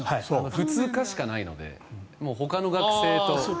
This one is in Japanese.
普通科しかないのでほかの学生と。